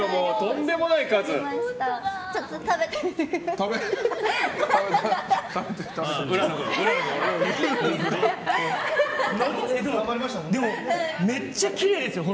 でも、めっちゃきれいですよほら。